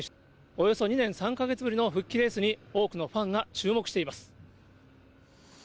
およそ２年３か月ぶりの復帰レースに、多くのファンが注目しています。